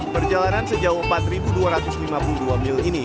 perjalanan sejauh empat dua ratus lima puluh dua mil ini